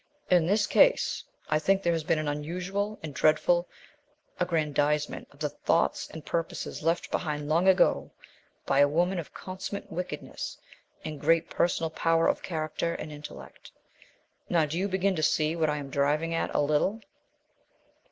In this case, I think there has been an unusual and dreadful aggrandizement of the thoughts and purposes left behind long ago by a woman of consummate wickedness and great personal power of character and intellect. Now, do you begin to see what I am driving at a little?"